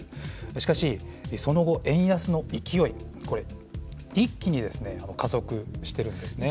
しかし、その後、円安の勢い、これ、一気に加速してるんですね。